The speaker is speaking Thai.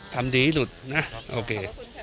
ทำดีหรือหลุดนะโอเค